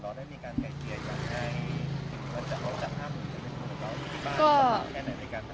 เราได้มีการไก่เกียร์อย่างไรมันจะเอาจากห้าม